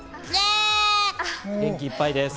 元気いっぱいです。